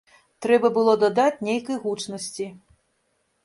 Трэба было дадаць нейкай гучнасці.